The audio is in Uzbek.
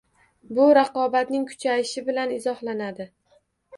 Bu raqobatning kuchayishi bilan izohlanadi.